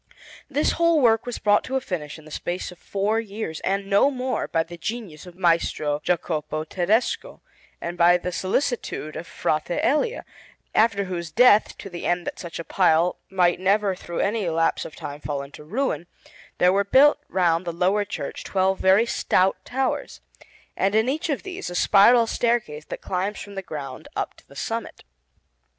This whole work was brought to a finish in the space of four years, and no more, by the genius of Maestro Jacopo Tedesco and by the solicitude of Frate Elia, after whose death, to the end that such a pile might never through any lapse of time fall into ruin, there were built round the lower church twelve very stout towers, and in each of these a spiral staircase that climbs from the ground up to the summit.